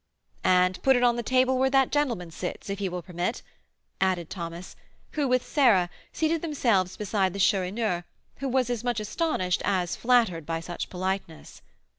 "And put it on the table where that gentleman sits, if he will permit," added Thomas, who, with Sarah, seated themselves beside the Chourineur, who was as much astonished as flattered by such politeness.